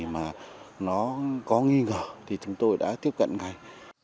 mà nó có nghi ngờ thì chúng tôi đã tiếp cận ngay